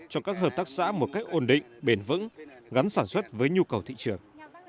cho các hợp tác xã một cách ổn định bền vững gắn sản xuất với nhu cầu thị trường